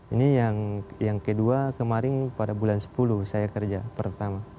ini yang kedua kemarin pada bulan sepuluh saya kerja pertama